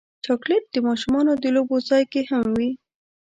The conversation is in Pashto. چاکلېټ د ماشومانو د لوبو ځای کې هم وي.